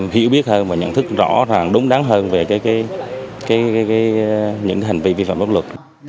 hiểu biết hơn và nhận thức rõ ràng đúng đắn hơn về những hành vi vi phạm pháp luật